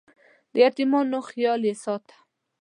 د یتیمانو خیال یې ساته.